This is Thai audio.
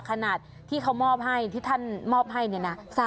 ขนาดที่เขามอบให้ที่ท่านมอบให้เนี่ยนะ